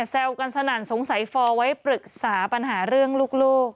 แซวกันสนั่นสงสัยฟอร์ไว้ปรึกษาปัญหาเรื่องลูก